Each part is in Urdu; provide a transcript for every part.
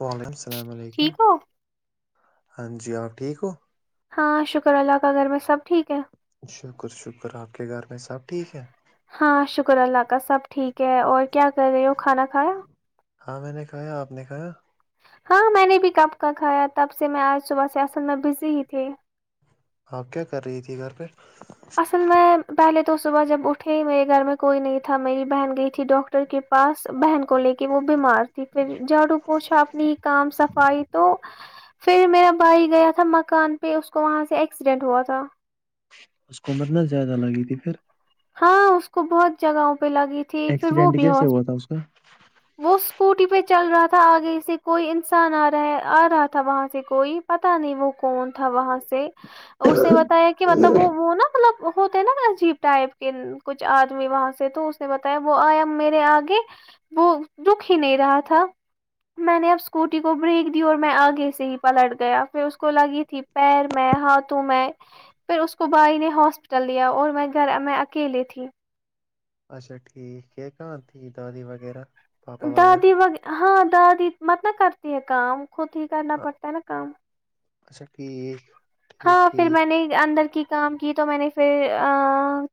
وعلیکم السلام علیکم ٹھیک ہو ہاں جی آپ ٹھیک ہو ہاں شکر اللہ کا گھر میں سب ٹھیک ہے شکر شکر آپ کے گھر میں سب ٹھیک ہے ہاں شکر اللہ کا سب ٹھیک ہے اور کیا کر رہے ہو کھانا کھایا ہاں میں نے کہایا آپ نے کہا ہاں میں نے بھی کپ کا کھایا تب سے میں آج صبح سیاسل میں بزی ہی تھے آپ کیا کر رہی تھی گھر پ اصل میں پہلے تو صبح جب اٹھے میرے گھر میں کوئی نہیں تھا میری بہن گئی تھی ڈاکٹر کے پاس بہن کو کو لے کے وہ بیمار تھی پھر جھاڑو پوچا اپنی کام صفائی تو پھر میرا بھائی گیا تھا مکان پہ اس کو وہاں سے ایکسیڈینٹ ہوا تھا اس کو عمر نہ زیادہ لگی تھی پھر ہاں اس کو بہت جگہوں پہ لگی تھی پھر وہ ایکسیڈنٹ بھی ہو کیسے ہوا تھا اس کا وہ اسکوٹی پہ چل رہا تھا آگے سے کوئی انسان آ رہا آ رہا تھا وہاں سے کوئی پتا نہیں وہ کون تھا وہاں سے اسے بتایا کہ مطلب وہ وہ نا مطلب وہ ہوتے ہیں ناا عجیب ٹائپ کے کچھ آدمی وہاں سے تو اس نے بتایا وہ آیا میرے آگے وہ دکھ ہی نہیں رہا تھا میں نے اب اسکوٹی کو بریک دی اور میں آگے سے ہی پلٹ گیا پھر اس کو لگی تھی پیر میں ہاتھوں میں پھر اس کو بھائی نے ہاسپٹل لیا اور میں گھر میں اکیلے تھی اچھا ٹھیک یہ کہاں تھی دادی وغیرہ پاپا دادی وغیرہ ویر ہاں دادی مت نہ کرتے ت اکام خود ہی کرنا پڑتا ہے نا کام اچھا ٹھیک ٹھیک ہاں پھر ٹھیک میں نے اندر کی کام کی تو میں نے پھر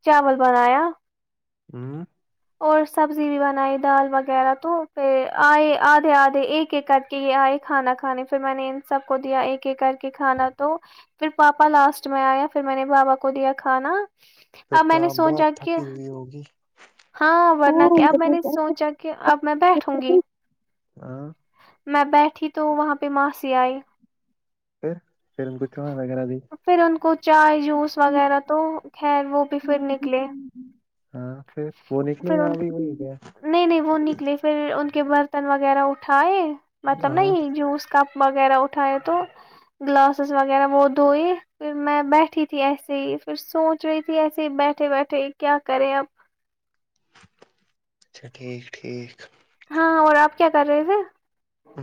چاول بنایا ہوں اور سبزی بھی بنائی دال وغیرہ تو پھر آئے آدھے آدھے ایک ایک کر کے یہ آئے کھانا کھانے پھر میں نے ان سب کو دیا ایک ایک کر کے کھانا تو پھر پاپا لاسٹ میں آیا پھر میں نے بابا کو دیا کھانا پھر اب تو میں نے آپ بہت سوچا کہ تھکی ہوئی ہوگی ہاں ورنہ کیا اب میں نے سوچا کہ اب میں بیٹھوں گی ہاں [inaudible] میں بیٹھی تو وہاں پہ ماسی آئی پھر پھر ان گ پھر ان کو چائے جوس وغیرہ تو خیر وہ بھی پھر نکلے ہاں پھر وہ نکلے پھر گا ان وہ نہیں نہیں وہ نکلے پھر ان کے برتن وغیرہ اٹھائے مطلب نا ہاں یہ جوس کا وغیرہ اٹھائے تو گلاسز وغیرہ وہ دھوئے پھر میں بیٹھی تھی ایسے ہی پھر سوچ رہی تھی ایسے ہی بیٹھے بیٹھے کیا کریں اب اچھا ٹھیک ٹھیک [inaudible] ہاں اور آپ کیا کر رہے تھے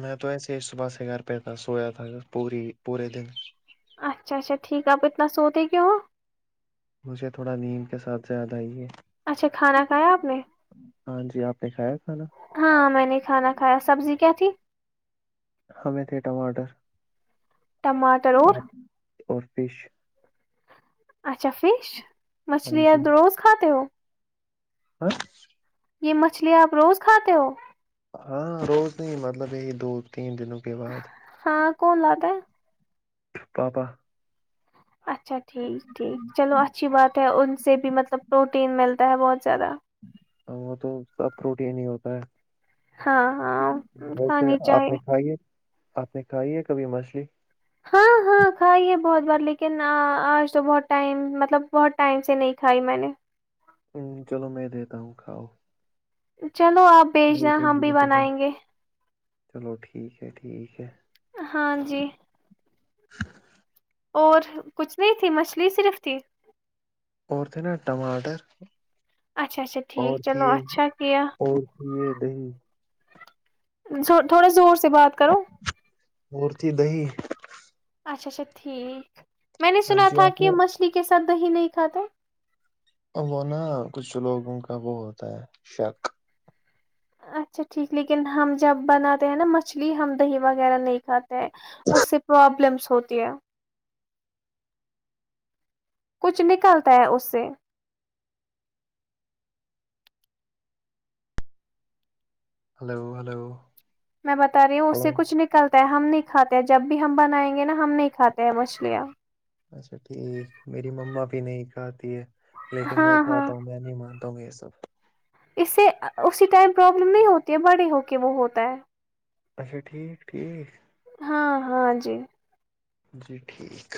میں تو ایسا یہ صبح سے گار پہ تھا سویا تھا پوری پورے دن اچھا اچھا ٹھیک ہے آپ اتنا سوتے کی ہو مج ھے تھوڑا نیم کے ساتھ زیاد آئیے اچھا کھانا کھایا آپ نے ہاں جی آپ نےھا ہے ہاں میں نے کھانا کھایا سبزی کیا تھی ہمیں تھے ٹماٹر ٹماٹر اور اور فش اچھا فش ہاں مچھلی یاد روز کھاتے ہو ہ [inaudible] یہ مچھلی آپ روز کھاتے ہو ہاں روز نہیں مطلب یہی دود ہاں کون لاتا ہے پا پا [inaudible] اچھا ٹھیک ٹھیک چلو اچھی بات ہے ا سے بھی مطلب پروٹین ملتا ہے بہت زیادہ وہ تو سب پروٹین ہی ہوتا ہے ہاں ہاں ویسے کھانی آپ چاہی نے کھائیے آپ نے کھائی ہے کبھی مچھلی ہاں ہاں کھائی ہے بہت بار لیکن آج تو بہت ٹائم مطلب بہت ٹائم سے نہیں کھائی میں نے چلو میں دیتا ہوں کھاؤ ا [inaudible] چلو آپ بھیج دو دیں تین ہم بھی دنوں کے بعد بنائیں گے چلو ٹھیک ہے ٹھیک ہے ہاں جی ہ [inaudible] اور کچھ نہیں تھی مچھلی صرف تھی اور تھے نا ٹماٹر اچھا اچھا ٹھیک اور چلو اچھا کیا د [inaudible] تھ تھوڑے زور سے سے بات کرو اور تھی دہی اچھا اچھا ٹھیک میں نے ہاں سنا جی تھا آپ کہ نے مچھلی کے سات دی نہیں کھاتا وہ نا کچھ لوگوں کا وہ ہوتا ہے شک اچھا ٹھیک لیکن ہم جب بناتے ہیں نا مچھلی ہم دہی وغیرہ نہیں کھاتے ہیں اس سے پرابلمس ہوتی ہے کچھ نکلتا ہے اس سے ہلو ہلو میں بتا رہی ہوں اس ہلو سے کچھ نکلتا ہے ہم نہیں کھاتے ہیں جب بھی ہم بنائیں گے نا ہم نہیں کھاتے ہیں مچھلیاں اچھا ٹھیک میری مما بھی نہیں کھاتی ہے لیکن ہاں میں ہاں کھاتا ہوں میں نہیں مانتا ہوں یہ سب اس سے اسی ٹائم پرابلم نہیں ہوتی ہے بڑے ہو کے وہ ہوتا ہے اچھا ٹھیک ٹھیک ہاں ہاں جی جی ٹھیک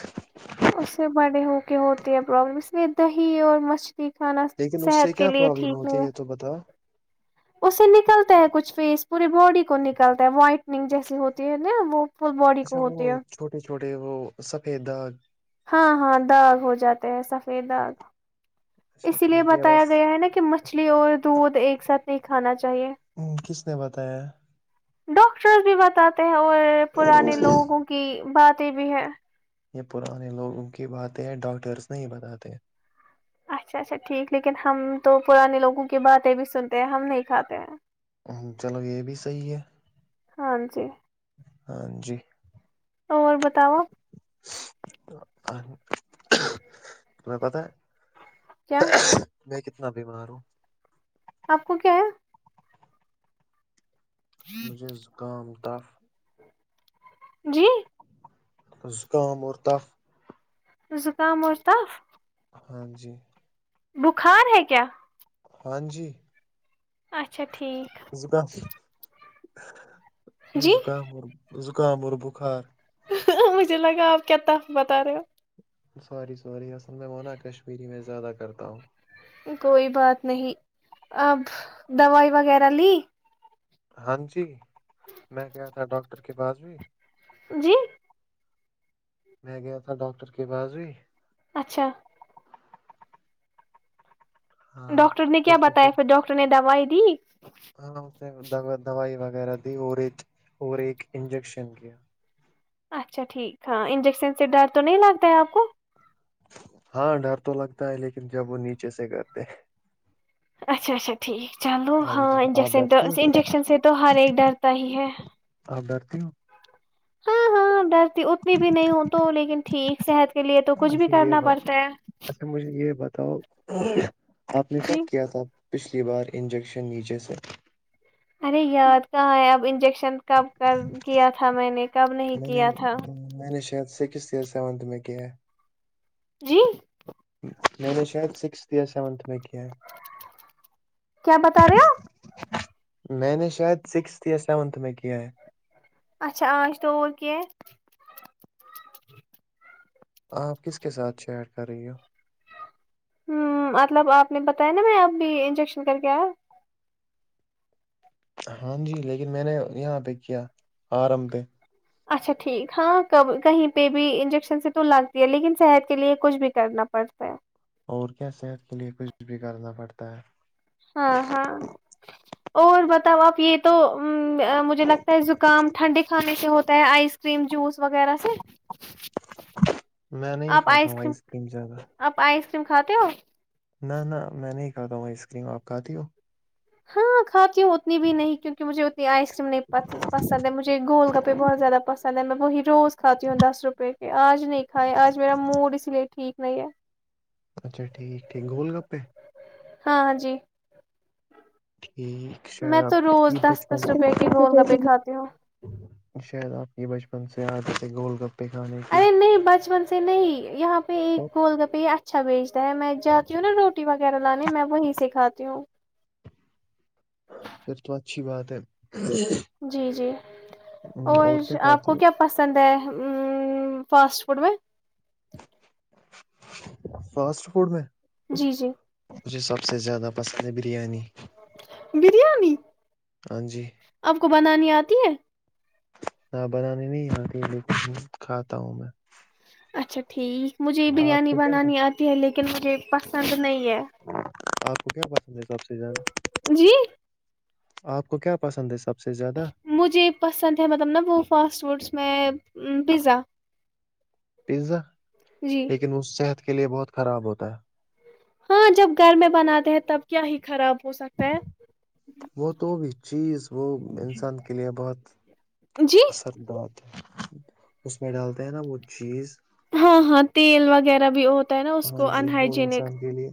اس سے بڑے ہو کے ہوتی ہے پرابلم اس میں دہی اور مچھ مچھلی کھانا لیکن اس سے صحت کے کیا لیے پرابلم ٹھیک ہوتی نہیں ہے یہ تو بتاؤ اسے نکلتا ہے کچھ فیس پوری باڈی کو نکلتا ہے وائٹننگ جیسی ہوتی ہے نا وہ فل باڈی کو ہوتی ہے جے وہ سفیدا ہاں ہاں داغ ہو جاتے ہیں سفید داغ اچھا اسی لیے ٹھیک ہے بتایا بس گیا ہے نا کہ مچھلی اور دودھ ایک ساتھ یہ کھانا چاہیے ہو کس نے بتایا ڈاکٹر بھی بتاتے ہیں اور پرانے لوگوں کی بات ٹی وی ہے یہ پرانے لوگوں کی باتیں ہیں ڈاکٹرس نہیں بتاتے اچھا اچھا ٹھیک لیکن ہم تو پرانے لوگوں کی باتیں بھی سنتے ہیں ہم نہیں کھاتے ہیں چلو یہ بھی صحیح ہے ہاں جی ہاں جی اور بتاؤ اپ تمہیں پتہ کیا ہے میں میں بیمار ہوں آپ کو کیا ہے مجھے زکام کاف جی زکام اور تف زکام اور تاف ہاں جی بخار ہے کیا ہاں جی اچھا ٹھیک زکا [inaudible] جی زکام جو زکام اور بخار مجھے لگا آپ کیا ت بتا رہے ہو سوری سوری اصل میں وہنا کشمیری میں زیادہ کرتا ہوں کوئی بات نہیں اب دوائی وغیرہ لی ہاں جی میں کیا تھا ڈاکٹر کے پاس بھی جی [inaudible] میں گیا تھا ڈاکٹر کے بااز بھیئی اچھا ڈاکٹر نے کیا بتایا پھر ڈاکٹر نے دوائی دی ی ہاں اس نے دوائی وغیرہ دی اور ایک اور ایک انجیکشن کیا اچھا ٹھیک ہے انجیکشن سے ڈر تو نہیں لگتا ہے آپ کو ہاں ڈر تو لگتا ہے لیکن جب وہ نیچے سے کرتے اچھا اچھا ٹھیک چلو ہاں جی آپ انجیکشن تو ڈرتی ہو انجیکشن سے تو ہر ایک ڈرتا ہی ہے ہ [inaudible] ہاں ہاں ڈر اتنی بھی نہیں ہو تو لیکن ٹھیک صحت کے لیے تو کچھ بھی اچھا کرنا پڑتا ہے تو [inaudible] آپ نے جی کب کیا تھا پچھلی بار انجیکشن نیچے سے ارے یاد کہاں ہے اب انجیکشن کب کر کیا تھا میں نے کب نہیں کیا تھا سکستھ یا سیونتھ میں کیا ہے جی میںی نے شاید سکسستھیا سیونتھ م میںک کے کیا بتا رہے آپ میں نے شاید سکسھ یا سیونتھ میں کیا ہے اچھا آچ توور کی آپ کس کے ساتھ چیٹ کر رہی ہو ہ مطلب آپ نے بتایا نا میں اب بھی انجیکشن کر کے آیا ہاں جی لیکن میں نے یہاں پہ کیا آرم پہ اچھا ٹھیک ہاں ک کہیں پہ بھی انجیکشن سے تو لگتی ہے لیکن صحت کے لیے کچھ بھی کرنا پڑتا ہے اور کیا صحت کے لیے کچھ بھی کرنا پڑتا ہے ہاں ہاں اور بتاؤ آپ یہ تو ا مجھے لگتا ہے زکام ٹھنڈے کھانے سے ہوتا کیا آئس کریم جوس وغیرہ س میں نہیں کھاتا ہوں آئس کریم زیادہ م کھاتے ہو نہ نہ میں نہیں کھاتا ہوں آئس کریم آپ کھتی ہو ہاں کھاتی ہوں اتنی بھی نہیں کیونکہ مجھے اتنی آئس کریم نہیںس پسند ہے مجھے گول گپے بہت زیادہ پسند ہیں میں وہی روز کھاتی ہوں دس روپے کے آج نہیں کھائے آج میرا موڈ اسی لیے ٹھیک نہیں ہے اچھا ٹھیک ٹھیک گولڈ کپ پہ ہاںاں جی شاید میں تو آپ روز کی دس بچپن دس روپے کے گول گپے کھاتی ہوں شاید آپ کی بچپن سے یاد ہے گول گپ ارے نہیں بچپن سے نہیں یہاں پہ ایک اور گول گاپہھا اچھا بیچتا ہے میں جاتی ہوں نا روٹی وغیرہ لانے میں وہیں سے کھاتی ہوں پھر تو اچھی بات ہے جی جی ہم، اور کیا آپ کو کھاتی کیا ہے پسند ہے ا فاسٹ فڈ میں فاسٹ فوڈ میں جی جی مجھے سب سے زیادہ پسند ہے بریانی بریانی ہاں جی آپ کو بنانی آتی م ت نہ بنانے میں آتی لیک کھاتا ہوں میں اچھا ٹھیک مجھے یہ آپ بریانی کو کیا بنانی آتی ہے لیکن لیکن مجھے پسند نہیں ہے کٹھے ب م سب سے زیادہ جی آپ کو کیا پسند ہے سب سے زیادہ مجھے پسند ہے مطلب نا وہ فاسٹ فوڈس میں پیزا پیزا جی لیکن اس صحت کے لیے بہت خراب ہوتا ہے ہاں جب گھر میں بناتے ہیں تب کیا ہی خراب ہو سکتا ہے وہ تو بھی چیز وہ انسان کے لیے بہت جی اصر بات ہے اس میں ڈالتے ہیں نا وہ چیز ہاں ہاں تل وغیرہ بھی ہو ہوتا ہے نا اس کو ہاں جی وہ انہائجینک انسان کے لیے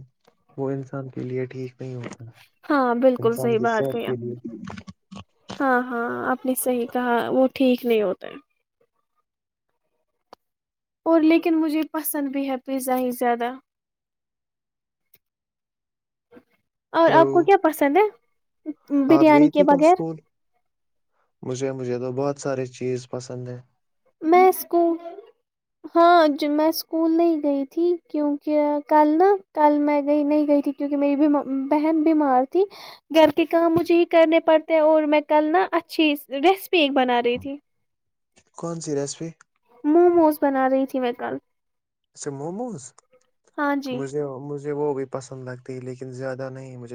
وہ انسان کے لیے ٹھیک نہیں ہوتا ہاں بالکل انسان صحیح کی بات صحت کہی کے لیے بھی ہاں ہاں آپ نے صحیح کہا وہ ٹھیک نہیں ہوتا اور لیکن مجھے پسند بھی ہے پیزا ہی زیادہ اور ہلو آپ کو کیا پسند ہے آپ بریانی گئی کے تھی کل بغیر اسکول مجھے مجھے تو بہت سارے چیز پسند ہیں میں اسکول ہاں میں اسکول نہیں گئی تھی کیونکہ کل نا کل میں گئی نہیں گئی تھی کیونکہ میری بہن بیمار تھی گھر کے کام مجھے ہی کرنے پڑتے ہیں اور میں کل نا اچھی ریسپی ایک بنا رہی تھی کون سی ریسپی م موز بنا رہی تھی میں کل اچھا موموز ہاں جی مجھے مجھے وہ گ پسند لگتی ہے لیکن زیادہ نہیں مجھ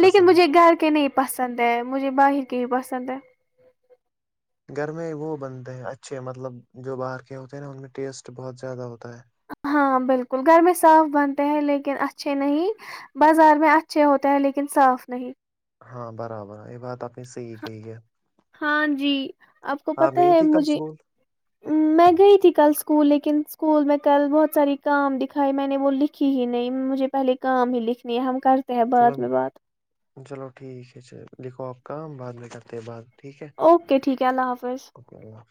لیکن مجھے گھر کے نہیں پسند ہے مجھے باہی کے ہی پسند ہے گر میں وہ بنتے ہیں اچھے مطلب جو باہر کے ہوتے ہیں نا ان میں ٹیسٹ بہت زیادہ ہوتا ہے ہاں بالکل گھر میں صاف بنتے ہیں لیکن اچھے نہیں بازار میں اچھے ہوتے ہیں لیکن صاف نہیں ہاں برابر یہ بات نے صحیح کہی ہے ہاں جی آپ کو پت گئی ہے تھی کل مجھے اسکول میں گئی تھی کل اسکول لیکن اسکول میں کل بہت ساری کام دکھائی میں نے وہ لکھی ہی نہیں مجھے پہلے کام ہی لکھنی ہے ہم کر چلو چلو ٹھیک ہے چ دیکھو آپ کام بعد میں کرتے بعد اوکے ٹھیک ہے اللہ حافظ اللہ حافظ۔